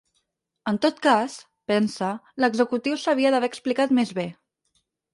En tot cas, pensa, l’executiu s’havia d’haver explicat més bé.